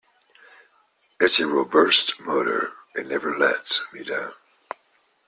It's a robust motor, it never let me down.